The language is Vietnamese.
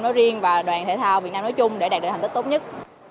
nói riêng và đoàn thể thao việt nam nói chung để đạt được thành tích tốt nhất